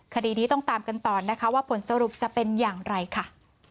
คดีนี้ต้องตามกันต่อนะคะว่าผลสรุปจะเป็นอย่างไรค่ะ